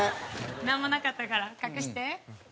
なんもなかったから隠して。